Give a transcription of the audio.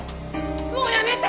もうやめて！